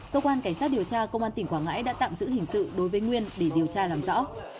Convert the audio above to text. công an tỉnh quảng ngãi đã tạm giữ hình sự đối với nguyên để điều tra làm rõ